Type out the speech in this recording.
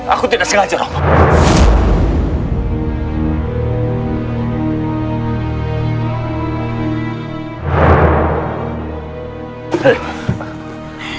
aku tidak sengaja romo